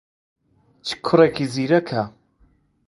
چ کوڕێکی زیرەکە!